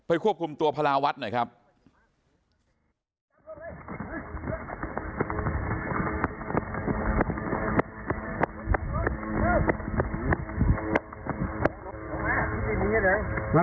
เอ็งจากมายเงินมาใช้นี่เขา